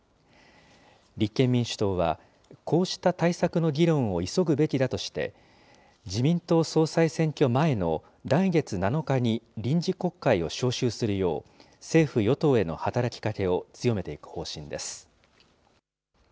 立憲民主党は、こうした対策の議論を急ぐべきだとして、自民党総裁選挙前の来月７日に臨時国会を召集するよう、政府・与党への働きかけを強めていく方針です。